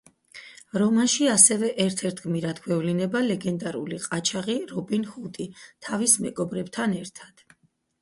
რომანში ასევე, ერთ-ერთ გმირად გვევლინება ლეგენდარული ყაჩაღი რობინ ჰუდი, თავის მეგობრებთან ერთად.